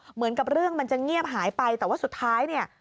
เหมือนกับเรื่องมันจะเงียบหายไปแต่ว่าสุดท้ายเนี่ย